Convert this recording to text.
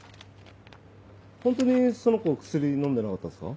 ホントにその子薬飲んでなかったんですか？